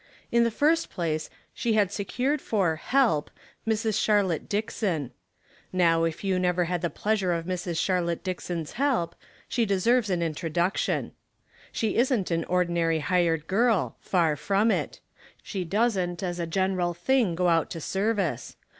In the first place she had se cured for ''help" Mrs. Charlotte Dick son. Now, if you never had the pleasure of Mrs. Charlotte Dickson's help, she de serves an introduction. She isn't an ordinary hired girl, far from it ; she doesn't as a general thing go out to service.